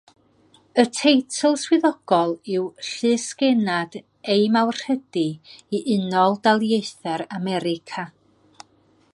Y teitl swyddogol yw Llysgennad Ei Mawrhydi i Unol Daleithiau'r America.